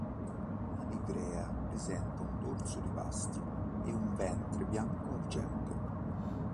La livrea presenta dorso olivastro e un ventre bianco argenteo.